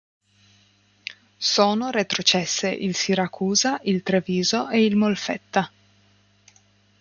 Sono retrocesse il Siracusa, il Treviso ed il Molfetta.